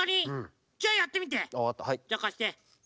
じゃあかして。